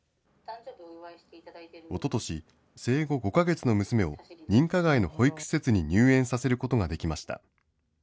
おととし、生後５か月の娘を認可外の保育施設に入園させることができました。